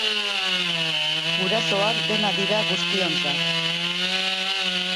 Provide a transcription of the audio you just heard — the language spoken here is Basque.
Gurasoak dena dira guztiontzat.